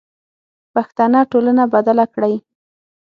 پښتنه ټولنه بدله کړئ.